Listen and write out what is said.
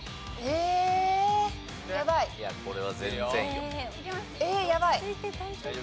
えっやばい。